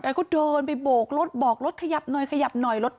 ก็เดินไปโบกรถบอกรถขยับหน่อยขยับหน่อยรถ